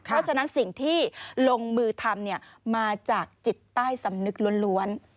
เพราะฉะนั้นสิ่งที่ลงมือทำมาจากจิตใต้สำนึกล้วน